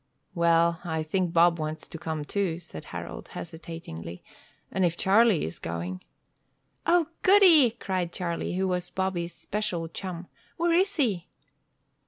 "Well I think Bob wants to come, too," said Harold, hesitatingly, "and if Charlie is going " "O, goody!" cried Charlie, who was Bobby's special chum. "Where is he?"